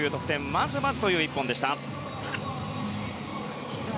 まずまずという１本でした。